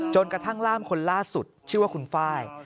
กระทั่งล่ามคนล่าสุดชื่อว่าคุณไฟล์